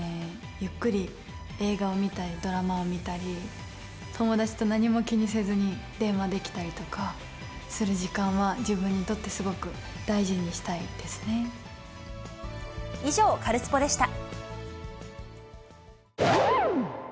ゆっくり映画を見たり、ドラマを見たり、友達と何も気にせずに電話できたりとかする時間は、自分にとって以上、カルスポっ！でした。